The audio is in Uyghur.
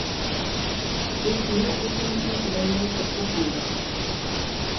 بىز نېمە دېيىشىمىزنى بىلەلمەي تۇرۇپلا قالدۇق.